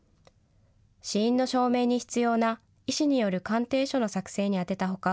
死因の証明に必要な医師による鑑定書の作成に充てたほか、